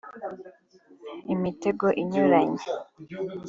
imitego inyuranye